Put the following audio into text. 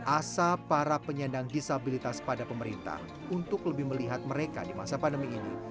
asa para penyandang disabilitas pada pemerintah untuk lebih melihat mereka di masa pandemi ini